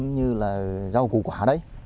như là rau củ quả đấy